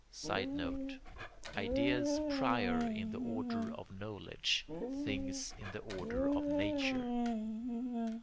[Sidenote: Ideas prior in the order of knowledge, things in the order of nature.